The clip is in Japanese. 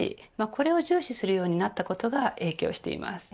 これを重視するようになったことが影響しています。